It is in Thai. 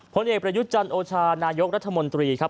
ผลเอกประยุทธ์จันทร์โอชานายกรัฐมนตรีครับ